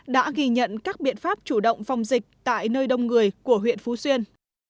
đã ghi nhận các biện pháp chủ động phòng dịch tại nơi đông người của huyện phú xuyên